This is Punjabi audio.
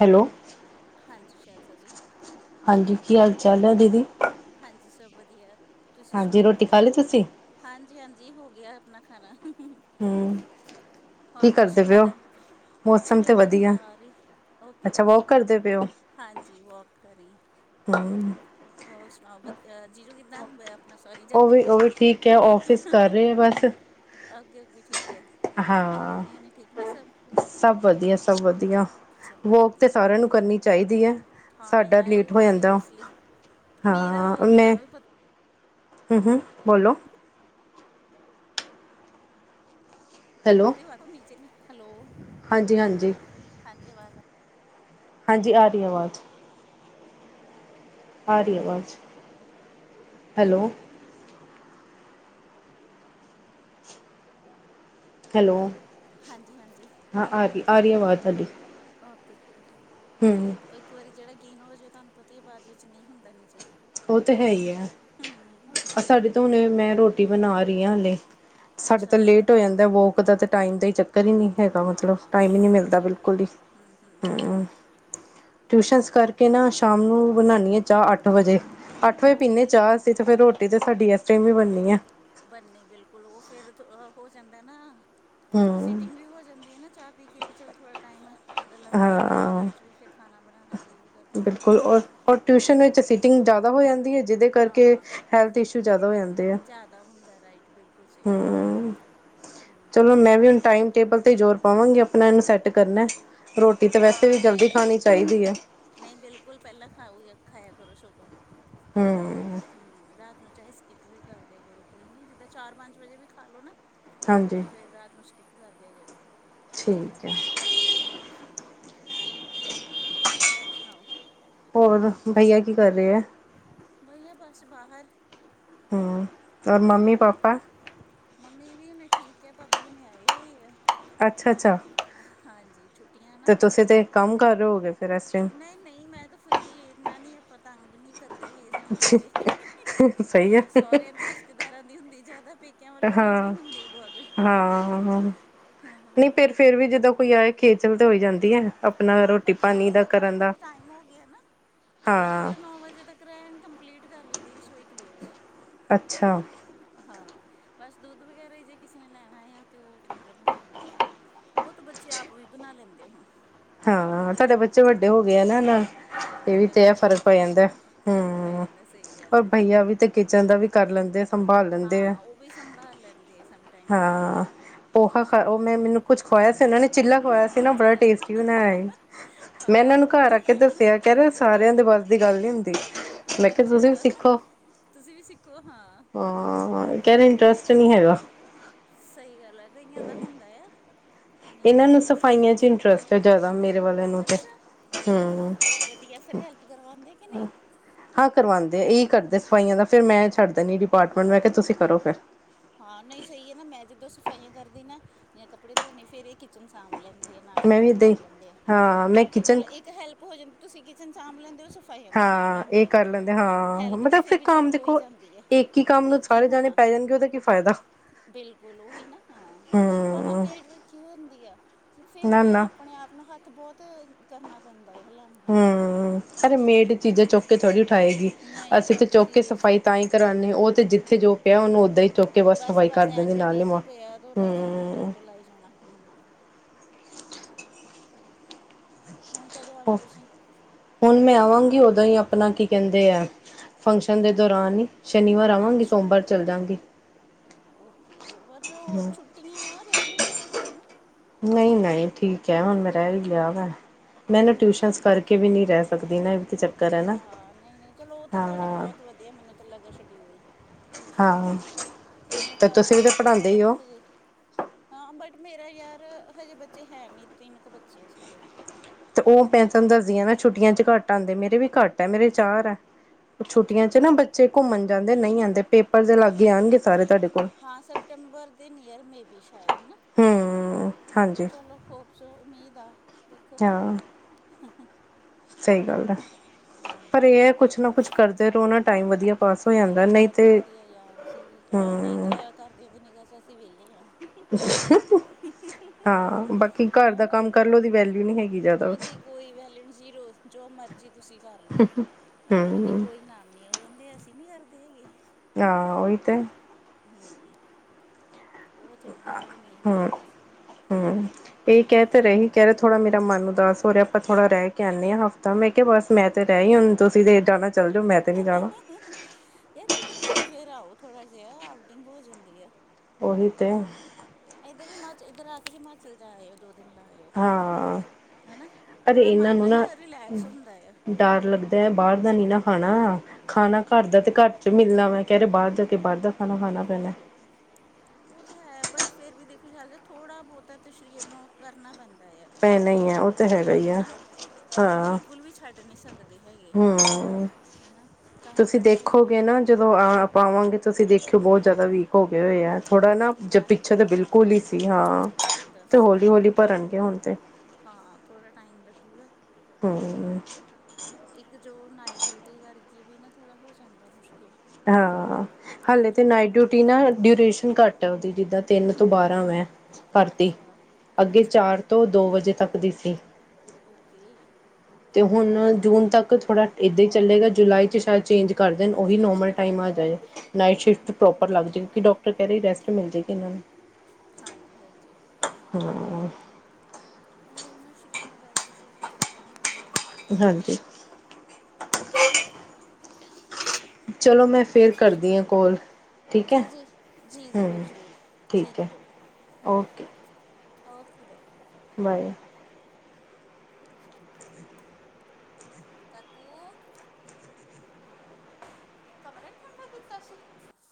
ਹੈਲੋ, ਹਾਂਜੀ ਸ਼ੈਲਜ਼ਾ ਜੀ। ਹਾਂਜੀ। ਕੀ ਹਾਲ-ਚਾਲ ਐ ਦੀਦੀ? ਹਾਂਜੀ, ਸਬ ਵਦੀਆ, ਤੁਸੀਂ ਹਾਂਜੀ ਸੁਣਾਓ? ਰੋਟੀ ਖਾ ਲਈ ਤੁਸੀਂ ਹਾਂਜੀ-ਹਾਂਜੀ, ਹੋ ਗਿਆ ਆਪਣਾ ਖਾਣਾ। ਹ- ਹ- ਹੂੰ ਹੂੰ ਹੋਰ ਮੌਸਮ ਕਿੱਦਾਂ? ਕੁਛ ਮੌਸਮ ਨੀ ਤੇ ਬਸ ਵਧੀਆ ਬਾਹਰ ਈ, ਅੱਛਾ ਓਕੇ-ਓਕੇ ਵੋਕ ਨਈ। ਕਰਦੇ ਪਏ ਹੋ ਹਾਂਜੀ, ਵੋਕ ਕਰੀ ਰਈ ਆ। [inaudible] ਹੋਰ ਸੁਣਾਓ ਵਦੀ, ਜੀਜੂ ਕਿੱਦਾਂ? ਨਾ ਸੋਰੀ ਉਹ ਜਤਿਨ, ਵੀ ਉਹ ਵੀ ਠੀਕ ਹੈ ਆਫਿਸ ਕਰ ਰਹੇ ਬਸ ਓਕੇ-ਓਕੇ ਠੀਕ ਐ। ਹਾਂ, ਸਬ ਵਦੀਆ, ਸਬ ਵਦੀਆ। ਚਲੋ ਵੋਕ ਤੇ ਵਧੀਆ ਸਾਰਿਆਂ ਚਾਹੀਦਾ ਨੂੰ ਕਰਨੀ ਚਾਈਦੀ ਐ, ਹਾਂ ਸਾਡਾ ਯਾਰ ਲੇਟ ਹੋ ਜਾਂਦਾ। ਸੀਰੀਅਸਲੀ ਮੇਰਾ ਹਾਂ। ਮੈਂ। ਉਹ ਤੁਹਾਨੂੰ ਵੀ ਪਤਾ ਓਨੇ, ਬੋਲੋ ਬੇਟੇ ਹੱਥ ਨੀਚੇ ਨੇ, ਹੈਲੋ, ਹਾਂਜੀ-ਹਾਂਜੀ। ਹਾਂਜੀ। ਆਵਾਜ਼ ਆਈ। ਹਾਂਜੀ, ਆ ਰਈ ਆਵਾਜ਼। ਆ ਰਈ ਆ ਆਵਾਜ਼, ਹੈਲੋ ਹੈਲੋ। ਹਾਂਜੀ, ਹਾਂਜੀ। ਹਾਂ ਆ ਰਈ, ਆ ਰਈ ਆਵਾਜ਼ ਤਾਡੀ। ਓਕੇ, ਤੇ ਓਏ ਇੱਕ ਵਾਰੀ ਜੇੜਾ ਗਿਣ ਹੋਜੇ, ਓ ਤਾਨੂੰ ਪਤਾ ਈ ਆ ਬਾਦ ਵਿੱਚ ਨਈ ਹੁੰਦਾ ਨੀਚੇ। ਓ ਤੇ ਹੈ ਈ ਆ, ਜੀ ਸਾਡੇ ਤਾਂ ਹੁਣੇ ਮੈਂ ਰੋਟੀ ਬਣਾ ਰਈ ਆ ਹਲੇ। ਸਾਡੇ ਤਾਂ ਅੱਛਾ ਲੇਟ ਹੋ ਜਾਂਦਾ ਵੋਕ ਦਾ ਤੇ ਟਾਈਮ ਦਾ ਈ ਚੱਕਰ ਈ ਨਈ ਹੈਗਾ ਮਤਲਬ, ਹਾਂ ਟਾਈਮ ਈ ਨਈ ਮਿਲਦਾ ਸੱਚੀ ਗੱਲ ਬਿਲਕੁਲ ਹੈ। ਵੀ। ਹੂੰ, ਹੂੰ, ਹੂੰ। ਟਿਊਸ਼ਨਸ ਚਲ ਕਰਕੇ ਨਾ ਸ਼ਾਮ ਨੂੰ ਬਣਾਣੀ ਆ ਚਾਹ ਅੱਠ ਵਜੇ, ਅੱਠ ਵਜੇ ਪੀਂਨੇ ਓਕੇ ਚਾਹ ਅਸੀ ਤੇ ਫਿਰ ਰੋਟੀ ਤਾਂ ਸਾਡੀ ਐਸ ਟਾਏਮ ਈ ਬਣਨੀ ਐ। ਬਨਨੀ ਬਿਲਕੁਲ ਓ ਫਿਰ ਹੋ ਜਾਂਦਾ ਨਾ, ਹਮ ਸੀਟਿੰਗ ਵੀ ਹੋ ਜਾਂਦੀ ਆ ਨਾ ਚਾਹ ਪੀ ਕੇ ਵੀ ਚਲੋ ਥੋੜਾ ਟਾਈਮ ਗੱਲਾਂ ਬਾਤਾਂ ਹੋ ਜਾਂਦੀ ਹਾਂ ਕੁਛ ਵੀ, ਫੇਰ ਖਾਣਾ ਬਣਾਨਾ ਯੇ ਵੋ ਬਿਲਕੁਲ ਔਰ ਔਰੱ ਟਿਊਸ਼ਨ ਵਿੱਚ ਸੀਟਿੰਗ ਜਾਦਾ ਹੋ ਜਾਂਦੀ ਏ। ਜਿਦੇ ਕਰਕੇ ਹਾਂ ਹੈਲਥ ਇਸ਼ੂ ਜ਼ਾਦਾ ਹੋ ਜਾਂਦੇ ਆ, ਜ਼ਿਆਦਾ ਹੁੰਦਾ ਰਾਈਟ ਬਿਲਕੁਲ ਸਹੀ ਗੱਲ ਹਾ ਹੂੰ ਚਲੋ ਮੈਂ ਵੀ ਹੁਣ ਟਾਈਮ ਟੇਬਲ ਤੇ ਜ਼ੋਰ ਪਾਵਾਂਗੀ ਆਪ ਆਪਣੇ ਆਪ ਨੂੰ ਸੈਟ ਕਰਨਾ, ਰੋਟੀ ਤਾਂ ਵੈਸੇ ਵੀ ਹਾਂ ਨਹੀਂ ਜਲਦੀ ਨਹੀਂ ਖਾਣੀ ਚਾਈਦੀ ਆ। ਨਹੀਂ ਬਿਲਕੁਲ ਪੇਲਾਂ ਖਾਓ ਖਾਏਆ ਕਰੋ ਸਗੋਂ। ਹੂੰ ਹੂੰ, ਰਾਤ ਨੂੰ ਚਾਹੇ ਸਕਿਪ ਵੀ ਕਰਦੇਆ ਕਰੋ ਕੋਈ ਨੀ, ਜਿੱਦਾਂ ਚਾਰ ਪੰਜ ਵਜੇ ਵੀ ਖਾਲੋ ਨਾ ਹਾਂਜੀ। ਤੇ ਫੇਰ ਰਾਤ ਨੂੰ ਸਕਿਪ ਕਰ ਦੇਆਂ ਕਰੋ। ਠੀਕ ਐ। ਹੂੰ ਹੋਰ ਸੁਣਾਓ? ਹੋਰ ਬਈਆ ਕੀ ਕਰ ਰਏ ਆ? ਬਈਆ ਬਸ ਬਾਹਰ ਹੂੰ। ਔਰ ਬਾਰ, ਮੰਮੀ ਪਾਪਾ ਮੰਮੀ ਵੀ ਨੀ ਠੀਕ ਐ, ਭਾਬੀ ਹੁਨੇ ਆਏ ਹੋੲ ਐ। ਅੱਛਾ, ਅੱਛਾ ਛੁੱਟੀਆਂ ਨਾ ਤੇ ਤੁਸੀਂ ਤੇ ਕੰਮ ਕਰ ਰਏ ਹੋਓਗੇ ਫਿਰ ਇਸ ਟਾਈਮ। ਨਈ- ਨੀਈ ਮੈਂ ਤਾਂ ਫ੍ਰਰੀ ਏ ਏਨਾ ਨੀ ਆਪਾਂ ਤੰਗ ਨਈ ਕਰਦੇ ਹੈਗੇ ਸਾਨੂੰ ਸਾਡੇ, ਹਹ ਸਹੀ ਹੈ ਸੋਰੇਆਂ ਦੇ ਰਿਸ਼ਤੇਦਾਰਾਂ ਦੀ ਹੁੰਦੀ ਜਾਦਾ ਪੇ ਪੇਕੇਆ ਵੱਲੋਂ ਨੀ ਏਨੀ ਹਾਂ ਹੁੰਦੀ ਬੋਧ ਹ ਫੇਰ ਵੀ ਜਿੱਦਾਂ ਕੋਈ ਆਏ ਖੇਚਲ ਤੇ ਹੋ ਈ ਜਾਂਦੀ ਏ। ਹਾਂ, ਬਟ ਹੁਣ ਜਿੱਦਾਂ ਕਾਫੀ ਟਾਈਮ ਹੋ ਗੇਆ ਨਾ, ਤੇ ਆਪਾਂ ਹਾਂ ਤੇ ਨੋ ਵਜੇ ਤੱਕ ਤਿਕਰਐਨ ਕੰਪਲੀਟ ਕਰ ਲਈਦੀ ਰਸੋਈ ਕਲੋਜ। ਅੱਛਾ। ਹਾਂ, ਬਸ ਦੁੱਧ ਵਗੈਰਾ ਈ ਜੇ ਕਿਸੇ ਨੇ ਲੈਣਾ ਆ ਤੇ ਓ ਠੰਡਾ ਬਣਾ ਦੇਣਾ। ਉ ਤਾਂ ਬੱਚੇ ਆਪ ਵੀ ਬਣਾ ਲੇਂਦੇ ਹੁਣ। ਹਾਂ, ਤਾਡੇ ਬੱਚੇ ਵੱਡੇ ਹੋ ਗਏ ਆ ਨਾ ਹੁਨ। ਏ ਵੀ ਹਾਂਜੀ ਤੇ ਏ ਹਾਂਜੀ ਫ਼ਰਕ ਪੈ ਜਾਂਦਾ ਫ਼ਰਕ ਪੈ ਹੁੰ ਜਾਂਦਾ ਸਹੀ ਔਰ ਗੱਲ ਹੈ ਬਈਆ ਵੀ ਤੇ ਕਿਚਨ ਦਾ ਵੀ ਕਰ ਲੇਂਦੇ ਆ ਸੰਭਾਲ ਲੇਂਦੇ ਐ ਹਾਂ ਉਹ ਵੀ ਸੰਭਾਲ ਲੈਂਦੇ ਸਮਟਾਈਮ ਹਾ- ਜੀ ਪੋਹਾ ਖਾ ਜੀ ਓਨਾ ਨੇ ਮੈਨੂੰ ਕੁੱਛ ਖੁਆਏਆ ਸੀ, ਓਨਾਂ ਨੇ ਚਿੱਲਾ ਖੁਆਏਆ ਸੀ ਨਾ ਬੜਾ ਚੀਲਾ ਟੇਸਟ ਬਣਾਏਆ, ਮੈਂ ਏਨਾਂ ਨੂੰ ਆਹੋ ਘਰ ਆ ਕੇ ਦੱਸੇਆ ਕੇਂਦੇ ਸਾਰੇਆਂ ਦੇ ਬੱਸ ਦੀ ਗੱਲ ਨੀ ਹੁੰਦੀ। ਮੈ ਕੇਆ ਤੁਸੀਂ ਵੀ ਅੱਛਾ ਸਿੱਖੋ ਤੁਸੀਂ ਵੀ ਸਿੱਖੋ ਹਾਂ ਹਾਂ ਕੈ ਰਏ ਇੰਟਰਸਟ ਨਹੀਂ ਹੈਗਾ। ਸਹੀ ਗੱਲ ਐ ਕਈਆਂ ਦਾ ਹੁੰਦਾ ਆ। ਕਈਆਂ ਦਾ ਇਹਨਾਂ ਨੂੰ ਨਹੀਂ ਸਫਾਈਆਂ ਚ ਸਭ ਦਾ ਇੰਟਰਸਟ ਹੈ ਵੱਖਰਾ ਜ਼ਿਆਦਾ ਮੇਰੇ ਵਾਲਿਆਂ ਨੂੰ ਤੇ ਅੱਛਾ ਚਲੋ, ਹੂੰ ਵਧੀਆ ਫੇਰ ਹੇਲ ਕਰਵਾਂਦੇ ਕਿ ਨਹੀਂ। ਹਾਂ ਕਰਵਾਂਦੇ, ਇ ਕਰਦੇ ਸਫਾਈਆਂ ਦਾ ਫਿਰ ਮੈਂ ਛੱਡ ਦੇਨੀ ਡਿਪਾਰਟਮੈਂਟ ਮੈਂ ਕਿਹਾ ਤੁਸੀਂ ਕਰੋ ਫਿਰ। ਹਾਂ ਨਹੀਂ ਸਹੀ ਹੈ ਨਾ, ਮੈਂ ਜਿੱਦੋਂ ਸਫਾਈਆਂ ਕਰਦੀ ਨਾ ਯਾਂ ਕੱਪੜੇ ਧੋਣੇ ਫੇਰ ਇਹ ਕਿਚਨ ਸਾਂਭ ਲੈਂਦੇ ਆ। ਮੈਂ ਨਾਸ਼ਤੇ ਵੀ ਦਾ ਏਦਾਂ ਹੀ ਕਰ ਲੈਂਦੇ ਆ ਹਾਂ ਮੈਂ ਹੈਨਾ ਫਿਰ ਕਿਚਨ ਚਲੋ ਇੱਕ ਹੈਲਪ ਹੋ ਜਾਂਦੀ ਤੁਸੀਂ ਕਿਚਨ ਸਾਂਭ ਲੈਂਦੇ ਹੋ ਸ ਫਾਈਆਂ ਦਾ ਸਾਂਭ ਹਾਂ ਇਹ ਲੈਂਦੇ ਕਰ ਹਾਂ ਹੈਲਪ ਤਾਂ ਫਿਰ ਵੀ ਚਲੋ ਹੋ ਹੀ ਜਾਂਦੀ ਹੈ। ਉਹਨੂੰ ਇੱਕ ਹੀ ਸਾਰੇ ਜਾਣੇ ਹੋਣਾ ਪੈ ਜਾਣਗੇ ਉਹਦੇ ਕੀ ਫਾਇਦਾ ਬਿਲਕੁਲ ਉਹੀ ਨਾ ਹਾਂ। ਭਾਵਾਂ ਹਮ ਮੇਡ ਰੱਖੀ ਹੁੰਦੀ ਆ, ਤੇ ਫੇਰ ਨਾ ਵੀ ਨਾ ਆਪਣੇ ਆਪ ਨੂੰ ਹੱਥ ਤੇ ਬਹੁਤ ਕਰਨਾ ਪੈਂਦਾ ਹੈ ਹਲਾਉਣਾ ਪੈਂਦਾ। ਹਮ ਅਰੇ ਮੇਡ ਚੀਜ਼ਾਂ ਚੁੱਕ ਕੇ ਥੋੜ੍ਹੀ ਕਰਾਏਗੀ ਨਹੀਂ ਅਸੀਂ ਤੇ ਕਰਦੀ ਚੁੱਕ ਕੇ ਸਫ਼ਾਈ ਸੀਰੀਅਸਲੀ ਤਾਂ ਹੀ ਕਰਾਉਦੇ ਉਹ ਤੇ ਜਿੱਥੇ ਜੋ ਪਿਆ ਉਹਨੂੰ ਓਦਾਂ ਹੀ ਚੁੱਕ ਕੇ ਬਸ ਸਫ਼ਾਈ ਕਰ ਬਸ ਦਿੰਦੇ ਐਜ ਨਾਲ ਹੀ ਇਟਜ਼ ਪਿਆ ਤੇ ਉਹਨੇ ਝਾੜੂ ਉਤੋਂ ਉਤੋਂ ਲਾਈ ਜਾਣਾ ਹਮ। ਚਲੋ, ਹੁਣ ਕਦੋਂ ਹਮ ਆਉਣਾ ਤੁਸੀਂ? ਹੁਣ ਮੈਂ ਆਵਾਂਗੀ ਉਦੋ ਹੀ ਆਪਣਾ ਕੀ ਕਹਿੰਦੇ ਆ ਫੰਕਸ਼ਨ ਦੇ ਦੌਰਾਨ ਹੀ। ਸ਼ਨੀਵਾਰ ਆਵਾਂਗੀ ਅੱਛਾ ਸੋਮਵਾਰ ਚੱਲ ਜਾਂਗੀ। ਓਕੇ ਪਰ ਉਹ ਹੂੰ ਛੁੱਟੀਆਂ ਵਾ ਰਿਹ ਲੇ ਥੋੜ੍ਹਾ ਟਾਈਮ ਨਹੀਂ ਨਹੀਂ ਠੀਕ ਹੈ, ਹੁਣ ਮੈਂ ਰਹਿ ਹੀ ਲਿਆ ਵਾ। ਮੈਂ ਨਾ ਟਿਊਸ਼ਨਸ ਕਰਕੇ ਵੀ ਨਹੀਂ ਰਹਿ ਸਕਦੀ ਨਾ ਇਹ ਤਾਂ ਚੱਕਰ ਹੈ ਨਾ ਹਾਂ ਨਹੀਂ ਨਹੀਂ ਚਲੋ ਉਹ ਤਾਂ ਤੁਹਾਡਾ ਹਾਂ। ਬਹੁਤ ਵਧੀਆ ਮੈਨੂੰ ਤਾਂ ਲੱਗਾ ਸ਼ਡਿਊਲ। ਟਿਊਸ਼ਨ ਹਾਂ ਦਾ ਮੈਂ ਤੇ ਆਪ ਤੁਸੀਂ ਵੀ ਤਾਂ ਕੀਤੀ ਆ ਪੜ੍ਹਾਉਂਦੇ ਹੀ ਬਟ ਹੋ ਹਜੇ ਹਾਂ ਬਟ ਮੇਰਾ ਯਾਰ ਹਜੇ ਬੱਚੇ ਹੈ ਨੀ ਤਿੰਨ ਕੁ ਬੱਚੇ ਆ ਸਾਰੇ ਤੇ ਉਹ ਪੈ ਤਾਨੂੰ ਮੇਰੇ ਦੱਸਦੀਆਂ ਨਾ ਛੁੱਟੀਆਂ ਚ ਘੱਟ ਆਉਂਦੇ ਮੇਰੇ ਵੀ ਘੱਟ ਮੇਰੇ ਚਾਰ ਆ। ਅੱਛਾ ਛੁੱਟੀਆਂ ਚ ਨਾ ਅੱਛਾ ਬੱਚੇ ਘੁੰਮਣ ਜਾਂਦੇ ਹੂੰ ਨਹੀਂ ਹੂੰ ਆਉਂਦੇ ਪੇਪਰ ਦੇ ਲਾਗੇ ਆਉਣਗੇ ਸਾਰੇ ਤੁਹਾਡੇ ਕੋਲ। ਹਾਂ ਸੈਪਟੈਂਬਰ ਦੇ ਨਿਅਰ ਮੇਬੀ ਸ਼ਾਇਦ ਹੈ ਨਾ। ਹੂੰ ਹਮ ਹਾਂਜੀ ਚਲੋ ਹੋਪ ਸੋ ਉਮੀਦ ਆ ਦੇਖੋ ਹੁਣ। ਹਾਂ ਹਮ ਹਮ ਸਹੀ ਗੱਲ ਹੈ ਪਰ ਹਾਂਜੀ। ਇਹ ਹੈ ਕੁਛ ਨਾ ਕੁਛ ਕਰਦੇ ਰਹੋ ਨਾ ਟਾਈਮ ਵਧੀਆ ਪਾਸ ਹੋ ਅਰੇ ਜਾਂਦਾ ਨਹੀਂ ਬਹੁਤ ਤੇ ਵਧੀਆ ਯਾਰ ਅਸੀਂ ਉਹ ਨਹੀਂ ਹਮ ਤਾਂ ਘਰ ਦੇ ਨਿਗਾਹ ਚ ਅਸੀਂ ਵਿਹਲੇ ਹਾਂ। ਹਾਂ ਬਾਕੀ ਘਰ ਦਾ ਹਨਾ ਕੰਮ ਕਰਲੋ ਉਦੀ ਵੈਲਿਊ ਨਹੀ ਹੈਗੀ। ਜ਼ਿਆਦਾ ਉਹਦੀ ਕੋਈ ਵੈਲੂ ਜ਼ੀਰੋ ਜੋ ਮਰਜ਼ੀ ਤੁਸੀਂ ਕਰ ਲਓ। ਉਹਦੀ ਹਮ ਕੋਈ ਨਾਮ ਨੀ ਉਹ ਕਹਿੰਦੇ ਅਸੀਂ ਨੀ ਕਰਦੇ ਹੈਗੇ। ਹਾਂ ਉਹੀ ਤੇ। ਹਮ। ਨਹੀਂ ਹਮ ਕਰਦੇ। ਹਮ। ਇਹ ਕਹਿ ਤੇ ਰਹੀ ਕਹਿ ਰਹੇ ਥੋੜਾ ਮੇਰਾ ਮਨ ਉਦਾਸ ਹੋ ਰਿਹਾ ਆਪਾਂ ਥੋੜਾ ਰਹਿ ਕੇ ਆਂਦੇ ਹਾਂ ਹਫ਼ਤਾ ਮੈਂ ਬਸ ਮੈਂ ਤੇ ਰਹਿ ਆਈਂ ਹੁਣ ਤੁਸੀਂ [unintelligible] ਤੇ ਨੀ ਜਾਣਾ ਯਾਰ ਕਿਤੇ ਘੁੰਮ ਫਿਰ ਆਓ ਥੋੜਾ ਜਿਹਾ ਆਊਟਿੰਗ ਹੋ ਜਾਂਦੀ ਏ। ਉਹੀ ਤੇ ਇੱਧਰ ਹਿਮਾਚਲ ਇੱਧਰ ਆ ਕੇ ਹਿਮਾਚਲ ਜਾ ਆਏ ਉਹ ਦੋ ਦਿਨ ਲਾਓ ਹਾਂ ਹਨਾ ਅਰੇ ਥੋੜਾ ਇਹਨਾਂ ਨੂੰ ਮਨ ਨਾ ਰਿਲੈਕਸ ਹੁੰਦਾ ਆ। ਡਰ ਲੱਗਦਾ ਬਾਹਰ ਦਾ ਨੀ ਨਾ ਖਾਣਾ, ਖਾਣਾ ਘਰ ਦਾ ਤੇ ਹੂੰ। ਘਰ ਚ ਮਿਲਣਾ ਵੈਂ ਕਹਿ ਰਹੇ ਬਾਹਰ ਦਾ ਬਾਹਰ ਦਾ ਖਾਣਾ ਖਾਣਾ ਪੈਣਾ ਏ। ਉਹ ਤਾਂ ਹੈ ਬਟ ਫੇਰ ਵੀ [unintelligible] ਦੇਖੋ ਥੋੜਾ ਬਹੁਤਾ ਤਾਂ ਸਰੀਰ ਨੂੰ ਕਰਨਾ ਪੈਂਦਾ ਆ। ਪੈਣਾ ਈ ਆ ਔਹ ਤਾਂ ਹੈਗਾ ਈ ਆ ਹਾਂ। ਔਨੂੰ ਵੀ ਛੱਡ ਨੀ ਸਕਦੇ ਹੈਗੇ। ਹਮ, ਹਨਾ ਤਾਂ ਤੁਸੀਂ ਕਰਕੇ ਦੇਖੋਗੇ ਨਾ ਜਦੋ ਆਪਾ ਆਵਾਗੇ ਤੁਸੀ ਦੇਖਿਓ ਬੋਤ ਜਾਦਾ ਵੀਕ ਹੋ ਗੇ ਹੋਏ ਆ ਥੋੜਾ ਨਾ ਜ ਟਾਈਮ ਪਿੱਛੇ ਤਾਂ ਵੀ ਬਿਲਕੁਲ ਹਾਂ ਈ ਸੀ। ਹਾਂ ਤੇ ਦੱਸ ਹੌਲੀ ਹੌਲੀ ਭਰਨਗੇ ਹੁਣ ਤੇ ਹਾਂ ਥੋੜ੍ਹਾ ਟਾਈਮ ਲੱਗੁਗਾ। ਹਮ। ਇੱਕ ਜੋ ਨਾਈਟ ਡਿਊਟੀ ਕਰਕੇ ਵੀ ਨਾ ਥੋੜਾ ਹੋ ਜਾਂਦੈ ਮੁਸ਼ਕਿਲ ਹਾਂ ਅ ਹਨਾ ਹਲੇ ਤੇ ਜੋ ਨਾਈਟ ਡਿਊਟੀ ਨਾ ਡਿਉਰੇਸ਼ਨ ਘੱਟ ਐ ਔਹਦੀ ਜਿਦਾਂ ਤਿੰਨ ਤੋਂ ਹੂੰ ਹੂੰ ਬਾਰਾਂ ਵੈ ਅੱਛਾ - ਅੱਛਾ। ਤੇ ਦੋ ਵਜੇ ਤੱਕ ਦੀ ਸੀ। ਔਕੇ। ਤੇ ਹੁਨ ਜੂਨ ਤੱਕ ਥੋੜਾ ਏਦਾਂ ਈ ਚੱਲੇਗਾ ਜੁਲਾਈ ਤੋ ਸ਼ਾਇਦ ਚੇਂਜ ਕਰ ਦੇਣ ਔਹੀ ਚੇਂਜ ਨੋਮਲ ਕਰ ਟਾਈਮ ਆ ਦੇਣਾ ਜਾਏ, ਨਾਈਟ ਹੂੰ ਸ਼ਿਫਟ ਹੂੰ ਪ੍ਰੋਪਰ ਹੂੰ ਲੱਗ ਜੇ ਕਿਉਂਕਿ ਡੋਕ ਇਕ ਵਾਰੀ ਰੈਸਟ ਮਿਲ ਜੇਗੀ ਇੰਨਾਂ ਨੂੰ ਹਾਂਜੀ-ਹਾਂਜੀ। ਹਮ ਔਈ ਨਾ ਸ਼ਰੀਰ ਨੂੰ ਰੈਸਟ ਥੋੜੀ ਜੀ ਚਾਈਦੀ ਹੀ ਐ। ਹਾਂਜੀ। ਚਲੋ ਮੈਂ ਫੇਰ ਕਰਦੀ ਆ ਕੋਲ। ਠੀਕ ਹੈ ਜੀ-ਜੀ, ਜੀ ਹਮ ਜ਼ਰੂਰ- ਜ਼ਰੂਰ, ਠੀਕ ਐ ਭਾ ਓਕੇ ਔਕੇ ਬਾਏ। ਬਾਏ। ਕਾਕੂ, ਹਾਂਜੀ, ਕਮਰਾ ਨੀ ਠੰਡਾ ਕੀਤਾ ਸੀ?